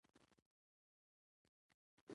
مسلمان اولس مشر د درانه شخصیت او مقام څخه برخمن يي.